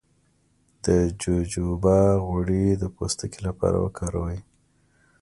د جوجوبا غوړي د پوستکي لپاره وکاروئ